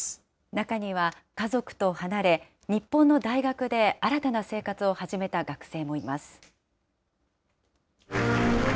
中には家族と離れ、日本の大学で新たな生活を始めた学生もいます。